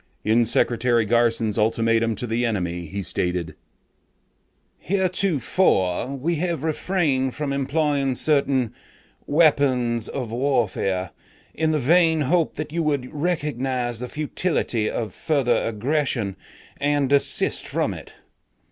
"In Secretary Garson's ultimatum to the enemy, he stated: 'Heretofore we have refrained from employing certain weapons of warfare in the vain hope that you would recognize the futility of further aggression and desist from it.